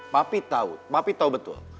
papi tau papi tau betul